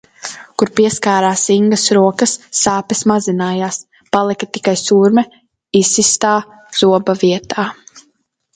Kur pieskārās Ingas rokas sāpes mazinājās, palika tikai sūrme izsistā zoba vietā.